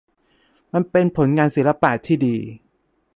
มันเป็นผลงานศิลปะที่ดี